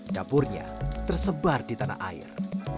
dapurnya tersebar di tanah air